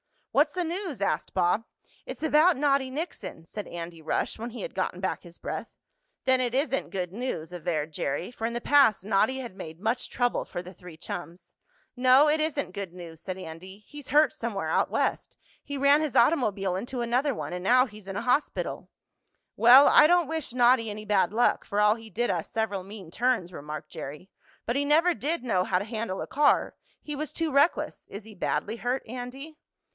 "What's the news?" asked Bob. "It's about Noddy Nixon," said Andy Rush, when he had gotten back his breath. "Then it isn't good news," averred Jerry, for in the past Noddy had made much trouble for the three chums. "No, it isn't good news," said Andy. "He's hurt somewhere out West. He ran his automobile into another one, and now he's in a hospital." "Well, I don't wish Noddy any bad luck, for all he did us several mean turns," remarked Jerry. "But he never did know how to handle a car he was too reckless. Is he badly hurt, Andy?"